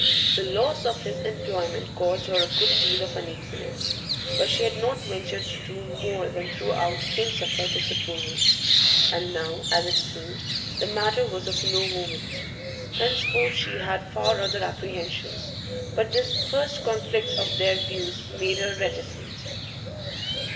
The loss of his employment caused her a good deal of uneasiness, but she had not ventured to do more than throw out hints of her disapproval; and now, as it seemed, the matter was of no moment. Henceforth she had far other apprehensions, but this first conflict of their views made her reticent.